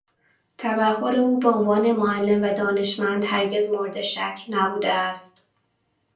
تبحر او به عنوان معلم و دانشمند هرگز مورد شک نبوده است.